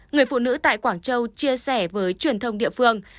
người phụ nữ tại quảng châu chia sẻ với truyền thông địa phương